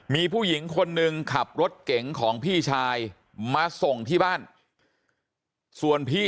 มีผู้หญิงคนหนึ่งขับรถเก๋งของพี่ชายมาส่งที่บ้านส่วนพี่